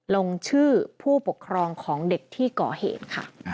ลงชื่อผู้ปกครองของเด็กที่ก่อเหตุค่ะ